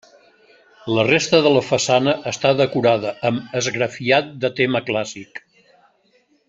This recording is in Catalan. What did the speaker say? La resta de la façana està decorada amb esgrafiat de tema clàssic.